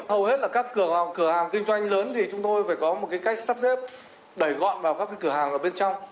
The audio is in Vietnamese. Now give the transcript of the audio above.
hầu hết là các cửa hàng kinh doanh lớn thì chúng tôi phải có một cách sắp xếp đẩy gọn vào các cửa hàng ở bên trong